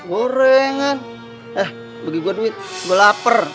gorengan eh bagi gua duit gua lapar